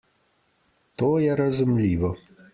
To je razumljivo.